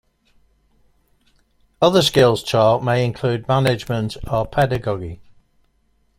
Other skills taught may include management or pedagogy.